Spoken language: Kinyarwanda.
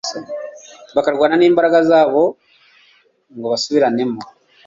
bakarwana nimbaraga zabo ngo basubiranemo